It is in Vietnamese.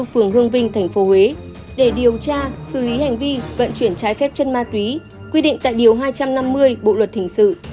phường hương vinh tp huế để điều tra xử lý hành vi vận chuyển trái phép chân ma túy quy định tại điều hai trăm năm mươi bộ luật hình sự